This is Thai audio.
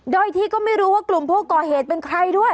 โดยที่ก็ไม่รู้ว่ากลุ่มผู้ก่อเหตุเป็นใครด้วย